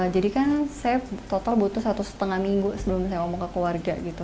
jadi kan saya total butuh satu lima minggu sebelum saya ngomong ke keluarga gitu